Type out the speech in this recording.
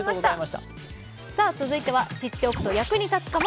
続いては知っておくと役立つかも。